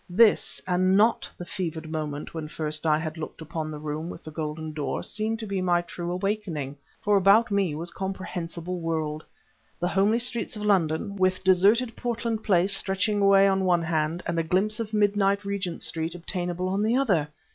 This, and not the fevered moment when first I had looked upon the room with the golden door, seemed to be my true awakening, for about me was comprehensible world, the homely streets of London, with deserted Portland Place stretching away on the one hand and a glimpse of midnight Regent Street obtainable on the other!